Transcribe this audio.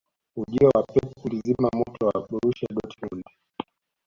ujio wa pep ulizima moto wa borusia dortmund